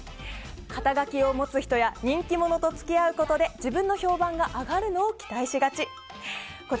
肩書を持つ人や人気者と付き合うことで自分の評判が上がるのを期待しがち。